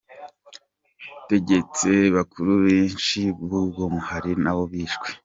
Ategetsi bakuru benshi b’uwo muhari na bo bishwe.